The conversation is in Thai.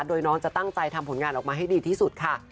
โดยน้องจะตั้งใจทำผลงานออกมาให้ดีที่สุดค่ะ